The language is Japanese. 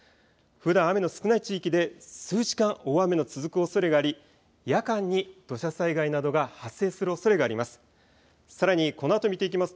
ふだん雨の少ない地域で数時間、大雨の続くおそれがあり夜間に土砂災害などが発生するおそれがあります。